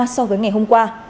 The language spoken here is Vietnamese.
so với ngày hôm qua